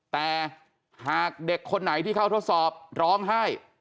แต่หากเด็กคนไหนที่เข้าทดสอบร้องไห้